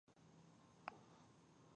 زه د مور و پلار اطاعت کوم.